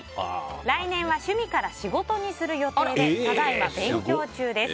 来年は趣味から仕事にする予定でただいま勉強中です。